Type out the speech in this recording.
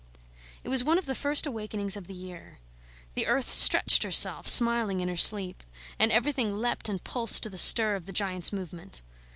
It was one of the first awakenings of the year. The earth stretched herself, smiling in her sleep; and everything leapt and pulsed to the stir of the giant's movement.